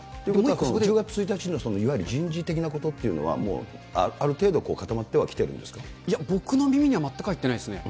１０月１日のいわゆる人事的なことっていうのは、もうある程度、いや、僕の耳には全く入ってないですね。